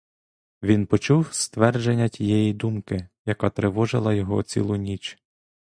Він почув ствердження тієї думки, яка тривожила його цілу ніч.